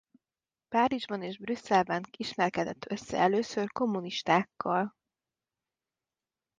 Párizsban és Brüsszelben ismerkedett össze először kommunistákkal.